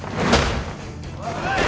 おい！